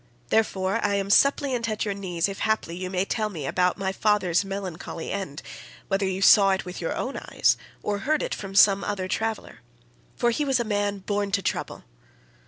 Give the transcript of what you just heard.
Therefore, I am suppliant at your knees if haply you may tell me about my father's melancholy end, whether you saw it with your own eyes, or heard it from some other traveller; for he was a man born to trouble.